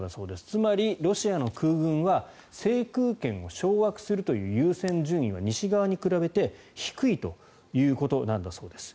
つまり、ロシアの空軍は制空権を掌握するという優先順位は西側に比べて低いということなんだそうです。